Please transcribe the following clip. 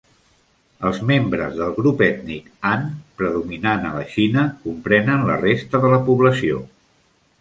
Els membres del grup ètnic Han, predominant a la Xina, comprenen la resta de la població.